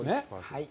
はい。